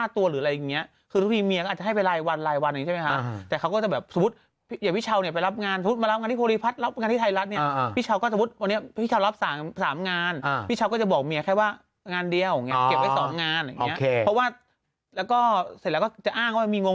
แต่เรื่องเงินเงินน้องทองการซ่อนเงิน